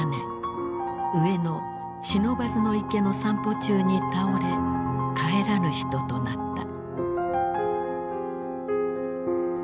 上野・不忍池の散歩中に倒れ帰らぬ人となった。